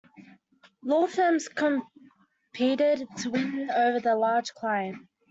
Law firms competed to win over the large client.